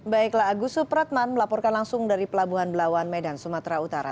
baiklah agus supratman melaporkan langsung dari pelabuhan belawan medan sumatera utara